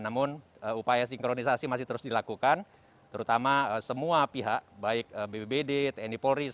namun upaya sinkronisasi masih terus dilakukan terutama semua pihak baik bbbd tni polri